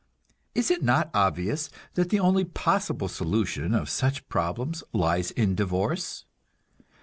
Is it not obvious that the only possible solution of such problems lies in divorce?